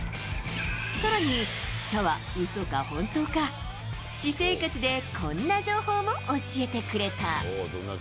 さらに、記者はうそかほんとか、私生活でこんな情報も教えてくれた。